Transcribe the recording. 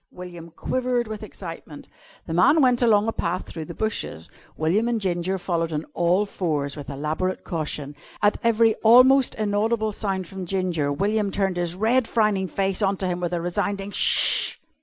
William quivered with excitement. The man went along a path through the bushes. William and Ginger followed on all fours with elaborate caution. At every almost inaudible sound from Ginger, William turned his red, frowning face on to him with a resounding "Sh!"